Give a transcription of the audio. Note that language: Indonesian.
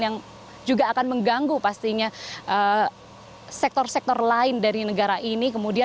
yang juga akan mengganggu pastinya sektor sektor lain dari negara ini